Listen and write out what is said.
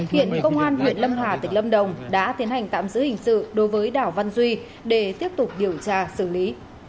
hiện công an huyện lâm hà tỉnh lâm đồng đã tiến hành tạm giữ hình sự đối với đảo văn duy để tiếp tục điều tra xử lý